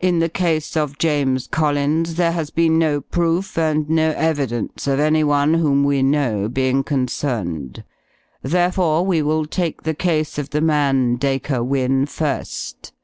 In the case of James Collins there has been no proof and no evidence of any one whom we know being concerned. Therefore we will take the case of the man Dacre Wynne first.